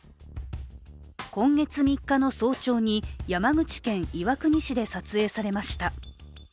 今月３日の早朝に山口県岩国市で撮影されました。